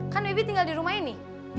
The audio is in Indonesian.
kan wibi tinggal di rumah ini